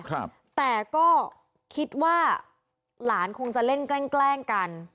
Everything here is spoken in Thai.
ครับแต่ก็คิดว่าหลานคงจะเล่นแกล้งแกล้งกัน